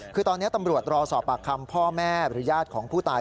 คือตอนนี้ตำรวจรอสอบปากคำพ่อแม่หรือญาติของผู้ตาย